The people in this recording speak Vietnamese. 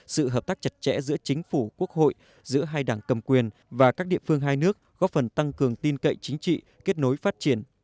sự hợp tác chặt chẽ giữa chính phủ quốc hội giữa hai đảng cầm quyền và các địa phương hai nước góp phần tăng cường tin cậy chính trị kết nối phát triển